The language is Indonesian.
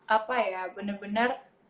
apa ya benar benar